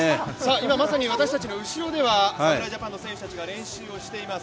今まさに私たちの後ろでは侍ジャパンの選手たちが練習をしています。